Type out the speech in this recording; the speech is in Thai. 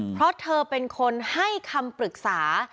เพราะเธอเป็นคนให้คำปรึกษา